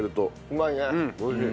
うまいね。